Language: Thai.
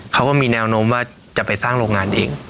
เขาก็มีแนวโน้มว่าจะไปสร้างโรงงานเอง